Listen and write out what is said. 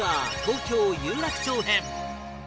東京有楽町編